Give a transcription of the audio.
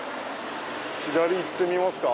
左行ってみますか。